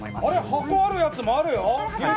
箱あるやつもあるよ！